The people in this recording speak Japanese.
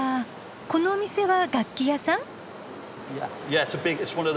このお店は楽器屋さん？